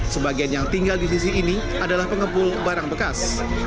sebagian yang tinggal di sisi ini adalah pengepul barang bekas